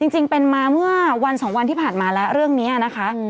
จริงเป็นมาเมื่อวันสองวันที่ผ่านมาแล้วเรื่องนี้นะคะ